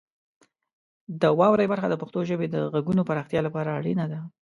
د واورئ برخه د پښتو ژبې د غږونو پراختیا لپاره اړینه ده.